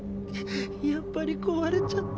やっぱり壊れちゃった。